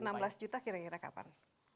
kembali ke enam belas juta kira kira kapan